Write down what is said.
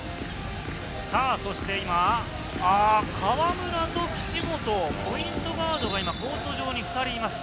そして今、河村と岸本、ポイントガードが今、コート上に２人います。